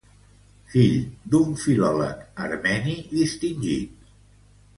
Fill d'un filòleg armeni distingit.